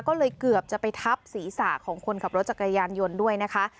ก็เลยเกือบจะไปทับศีรษะของคนขับรถจักรยานยนต์ด้วยนะคะ